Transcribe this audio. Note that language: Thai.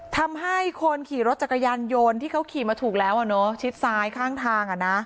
ทำให้คนขี่รถจักรยานโยนที่เขาขี่มาถูกแล้วอ่ะเนอะชิดซ้ายข้างทางอ่ะน่ะ